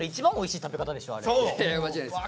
間違いないです。